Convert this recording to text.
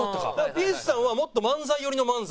ピースさんはもっと漫才寄りの漫才。